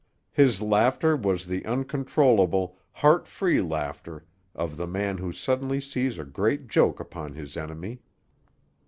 His laughter was the uncontrollable, heart free laughter of the man who suddenly sees a great joke upon his enemy.